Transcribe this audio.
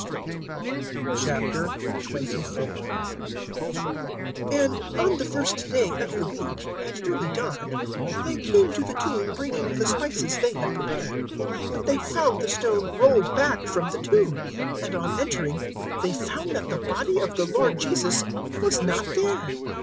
024:001 And, on the first day of the week, at early dawn, they came to the tomb bringing the spices they had prepared. 024:002 But they found the stone rolled back from the tomb, 024:003 and on entering they found that the body of the Lord Jesus was not there.